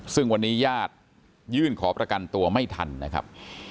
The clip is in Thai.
ซึ่งวันนี้ญาติยื่นขอประกันตัวไม่ทันนะครับ